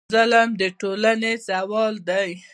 ظلم د ټولنې زوال دی.